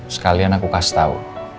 sekalian aku kasih tau